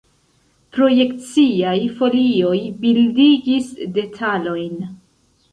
Projekciaj folioj bildigis detalojn.